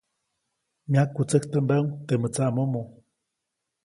Myakwätsäktambaʼuŋ temäʼ tsaʼmomo.